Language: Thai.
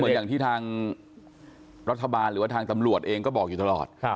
อย่างที่ทางรัฐบาลหรือว่าทางตำรวจเองก็บอกอยู่ตลอด